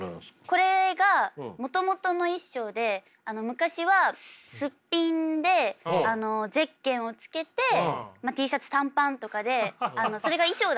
これがもともとの衣装で昔はすっぴんでゼッケンをつけてＴシャツ短パンとかでそれが衣装だったんですよ。